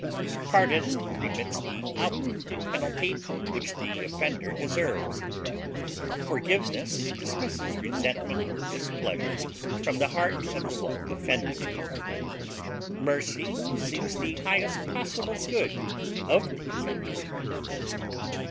Pardon remits the outward penalty which the offender deserves; forgiveness dismisses resentment or displeasure from the heart of the one offended; mercy seeks the highest possible good of the offender.